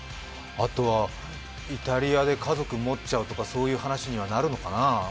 イタリアで家族持っちゃうとか、そういう話になるのかな